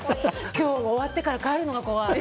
今日も終わってから帰るのが怖い。